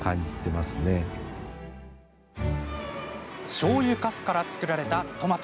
しょうゆかすから作られたトマト。